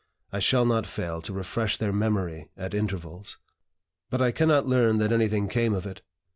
I shall not fail to refresh their memory at intervals." But I cannot learn that anything came of it.